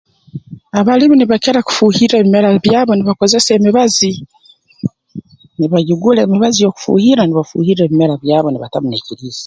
Abalimi nibakira kufuuhirra ebimera byabo obu nibakozesa emibazi nibagigura emibazi y'okufuuhirra nibafuuhirra ebimera byabo nibatamu n'ekiriisa